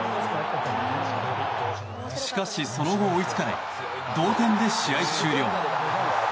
しかしその後、追いつかれ同点で試合終了。